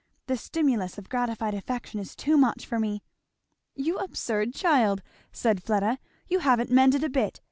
The stimulus of gratified affection is too much for me." "You absurd child!" said Fleda, "you haven't mended a bit.